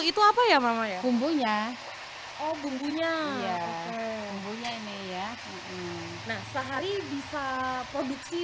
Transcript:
itu apa ya mama ya bumbunya oh bumbunya ya bumbunya ini ya nah sehari bisa produksi